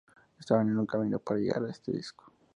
Estaban en un camino para llegar a este disco.